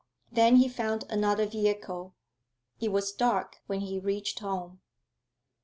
Then he found another vehicle. It was dark when he reached home.